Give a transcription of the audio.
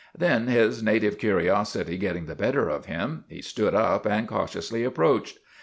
Then, his native curiosity get ting the better of him, he stood up and cautiously approached.